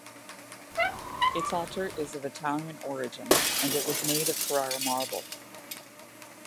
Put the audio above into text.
Its altar is of Italian origin, and it was made of Carrara marble.